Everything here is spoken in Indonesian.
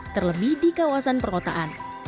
terlebih di kawasan perotaan